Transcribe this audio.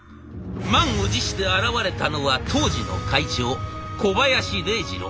満を持して現れたのは当時の会長小林禮次郎。